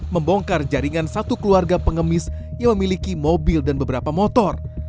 membongkar jaringan satu keluarga pengemis yang memiliki mobil dan beberapa motor